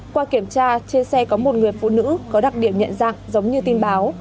qua kiểm tra trên xe có một người phụ nữ có đặc điểm nhận dạng giống như tin báo